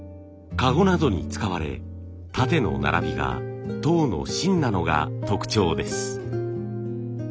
籠などに使われ縦の並びが籐の芯なのが特徴です。